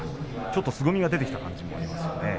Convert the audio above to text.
ちょっとすごみが出てきた感じがありますね。